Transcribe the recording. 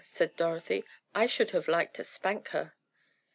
cried Dorothy, "I should have liked to spank her!"